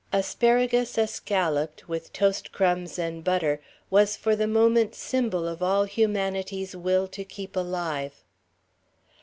Asparagus escalloped with toast crumbs and butter was for the moment symbol of all humanity's will to keep alive.